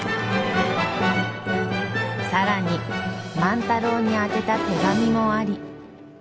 更に万太郎に宛てた手紙もあり。